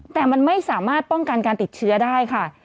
แต่มันไม่สามารถป้องกันการติดเชื้อได้ค่ะ